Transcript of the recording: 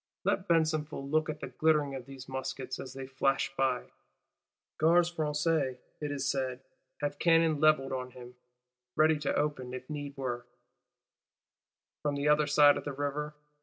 Let Besenval look at the glitter of these muskets, as they flash by! Gardes Françaises, it is said, have cannon levelled on him; ready to open, if need were, from the other side of the River.